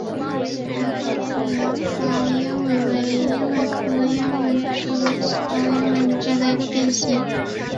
白花紫苞鸢尾为鸢尾科鸢尾属紫苞鸢尾下的一个变型。